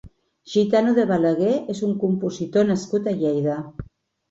Gitano de Balaguer és un compositor nascut a Lleida.